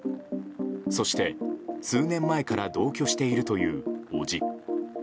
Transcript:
そして、数年前から同居しているという伯父。